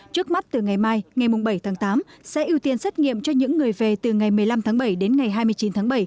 trước mắt từ ngày mai ngày bảy tháng tám sẽ ưu tiên xét nghiệm cho những người về từ ngày một mươi năm tháng bảy đến ngày hai mươi chín tháng bảy